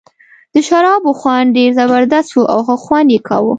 د شرابو خوند ډېر زبردست وو او ښه خوند یې کاوه.